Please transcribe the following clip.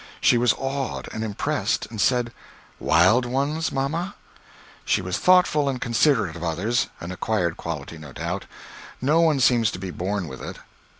She was awed and impressed, and said: "Wild ones, mamma?" She was thoughtful and considerate of others an acquired quality, no doubt. No one seems to be born with it.